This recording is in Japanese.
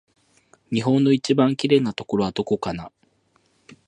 日本の一番きれいなところはどこかな